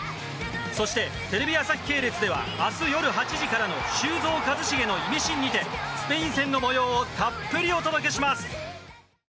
そして、テレビ朝日系列では明日夜８時からの「修造＆一茂のイミシン」にてスペイン戦の模様をたっぷりお届けします。